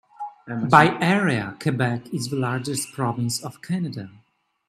By area, Quebec is the largest province of Canada.